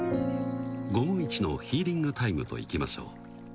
午後イチのヒーリングタイムといきましょう。